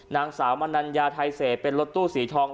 นางสาวมนัญญาไทยเศษเป็นรถตู้สีทอง